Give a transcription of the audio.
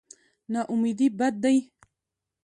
نااميدي بد دی.